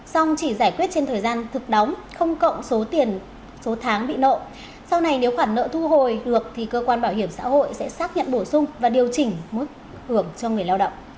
xong chỉ giải quyết trên thời gian thực đóng không cộng số tiền số tháng bị nợ sau này nếu khoản nợ thu hồi được thì cơ quan bảo hiểm xã hội sẽ xác nhận bổ sung và điều chỉnh mức hưởng cho người lao động